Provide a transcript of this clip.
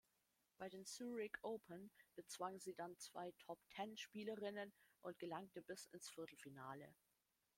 Bei den Zurich Open bezwang sie dann zwei Top-Ten-Spielerinnen und gelangte bis ins Viertelfinale.